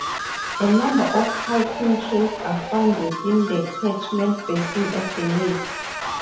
A number of hiking trails are found within the catchment basin of the lake.